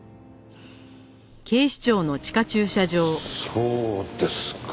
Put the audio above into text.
そうですか。